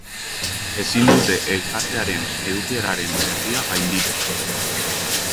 Ezin dute elkartearen edukieraren erdia gainditu.